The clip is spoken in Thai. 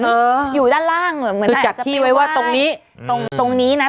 เอออยู่ด้านล่างเหมือนจัดที่ไว้ว่าตรงนี้ตรงตรงนี้นะ